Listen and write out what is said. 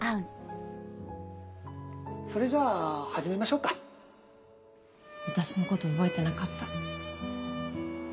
それじゃあ始めましょうか私のこと覚えてなかった。